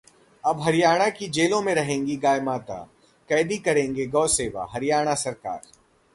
अब हरियाणा की जेलों में रहेंगी गाय माता, कैदी करेंगे गौ सेवा: हरियाणा सरकार